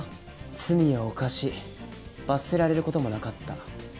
罪を犯し罰せられる事もなかった。